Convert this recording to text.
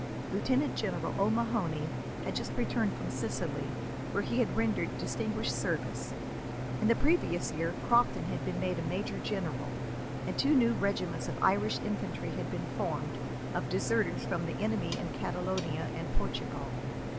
Lieutenant General O'Mahony had just returned from Sicily, where he had rendered distinguished service. In the previous year, Crofton had been made a major general, and two new regiments of Irish infantry had been formed, of deserters from the enemy in Catalonia and Portugal.